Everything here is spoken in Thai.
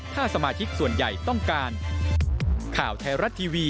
ถ้าสมาชิกส่วนใหญ่ต้องการ